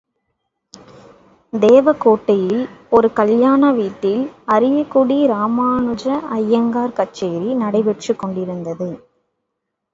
தேவகோட்டையில் ஒரு கல்யாண வீட்டில் அரியக்குடி ராமானுஜ ஐயங்கார் கச்சேரி நடைபெற்றுக் கொண்டிருந்தது.